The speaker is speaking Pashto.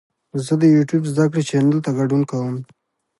زه د یوټیوب زده کړې چینل ته ګډون کوم.